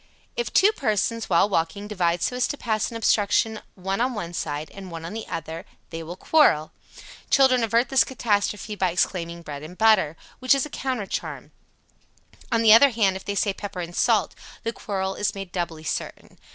79. If two persons, while walking, divide so as to pass an obstruction one on one side and one on the other, they will quarrel. Children avert this catastrophe by exclaiming, "bread and butter," which is a counter charm. On the other hand, if they say "pepper and salt," the quarrel is made doubly certain.